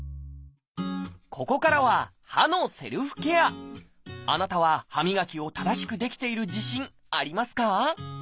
ここからはあなたは歯磨きを正しくできている自信ありますか？